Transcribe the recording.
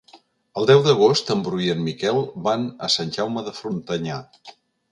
El deu d'agost en Bru i en Miquel van a Sant Jaume de Frontanyà.